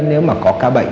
nếu mà có ca bệnh